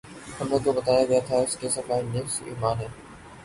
ہمیں تو بتایا گیا تھا کہ صفائی نصف ایمان ہے۔